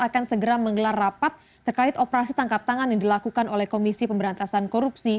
akan segera menggelar rapat terkait operasi tangkap tangan yang dilakukan oleh komisi pemberantasan korupsi